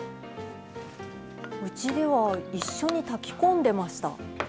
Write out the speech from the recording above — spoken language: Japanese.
うちでは一緒に炊きこんでました。